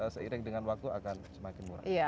seiring dengan waktu akan semakin murah